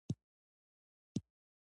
هلته قبیلوي شخړې روانې وي.